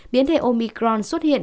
biến thể omicron xuất hiện